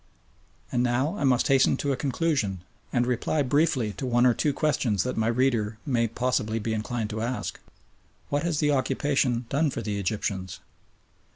And now I must hasten to a conclusion, and reply briefly to one or two questions that my reader may possibly be inclined to ask. What has the occupation done for the Egyptians?